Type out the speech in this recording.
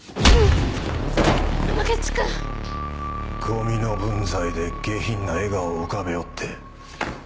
ゴミの分際で下品な笑顔を浮かべおって。